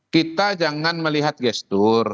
kita jangan melihat gestur